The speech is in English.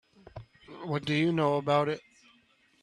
What do you know about it?